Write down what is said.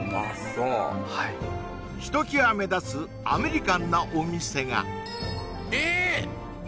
そうはいひときわ目立つアメリカンなお店がえっ！